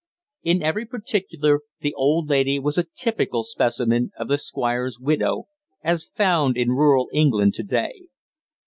In every particular the old lady was a typical specimen of the squire's widow, as found in rural England to day.